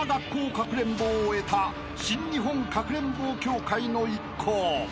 かくれんぼを終えた新日本かくれんぼ協会の一行］